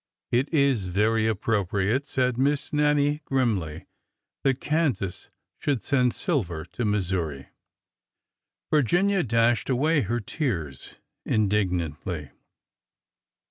It is very appropriate," said Miss Nannie, grimly, " that Kansas should send silver to Missouri !" Virginia dashed away her tears indignantly.